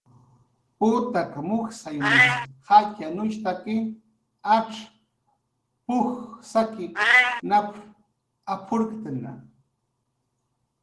"Putak mujsay mujs jatxyanushtaki, acx p""uj saki nap""r ap""urktna"